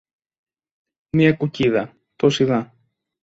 μια κουκκίδα τόση δα